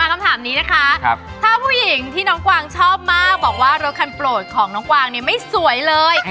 คำถามนี้นะคะถ้าผู้หญิงที่น้องกวางชอบมากบอกว่ารถคันโปรดของน้องกวางเนี่ยไม่สวยเลย